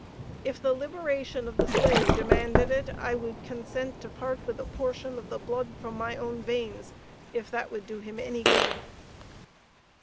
If the liberation of the slave demanded it, I could consent to part with a portion of the blood from my own veins if that would do him any good."